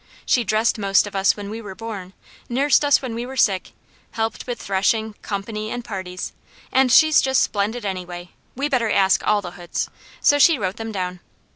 She dressed most of us when we were born, nursed us when we were sick, helped with threshing, company, and parties, and she's just splendid anyway; we better ask all the Hoods"; so she wrote them down.